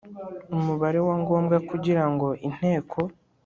Umubare wa ngombwa kugira ngo inteko